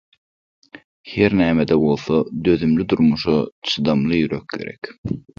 Her näme-de bolsa, dözümli durmuşa çydamly ýürek gerek.